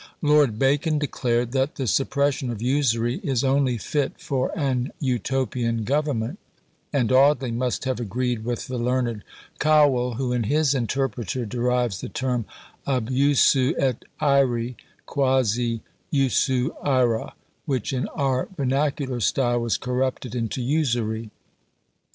Lord Bacon declared, that the suppression of Usury is only fit for an Utopian government; and Audley must have agreed with the learned Cowell, who in his "Interpreter" derives the term ab usu et ÃḊre, quasi usu ÃḊra, which in our vernacular style was corrupted into Usury.